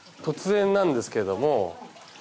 突然なんですけども。